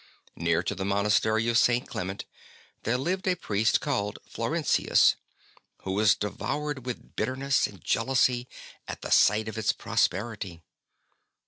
Near to the monastery of St. Clement there lived a priest called Florentius, who was devoured with bitterness and jealousy at the sight of its prosperity.